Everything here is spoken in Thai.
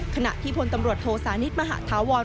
ขณะที่อโธสานิษฐ์มหาธาวรรณ์